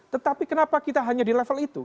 tetapi kenapa kita hanya di level itu